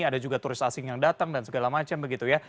ada juga turis asing yang datang dan segala macam begitu ya